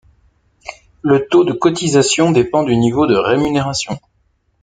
Le taux de cotisation dépend du niveau de rémunération.